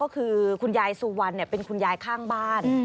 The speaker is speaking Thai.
คุณยายซูวันเป็นคุณยายข้างบ้าน